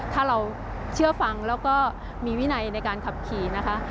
ถ้าเราเชื่อฟังแล้วก็มีวินัยในการขับขี่นะคะ